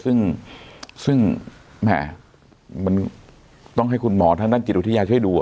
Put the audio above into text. ซึ่งแหม่มันต้องให้คุณหมอทางด้านจิตวิทยาช่วยดู